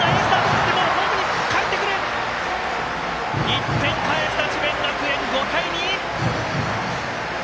１点返した智弁学園５対２！